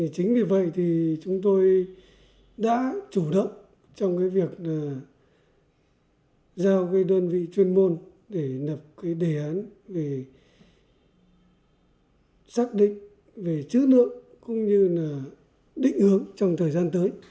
chính vì vậy thì chúng tôi đã chủ động trong cái việc giao cái đơn vị chuyên môn để nập cái đề án về xác định về chữ lượng cũng như là định hướng trong thời gian tới